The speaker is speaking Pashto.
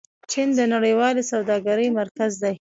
چین د نړیوالې سوداګرۍ مرکز دی.